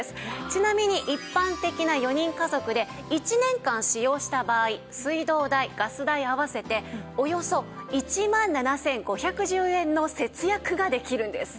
ちなみに一般的な４人家族で１年間使用した場合水道代ガス代合わせておよそ１万７５１０円の節約ができるんです。